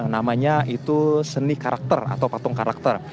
namanya itu seni karakter atau patung karakter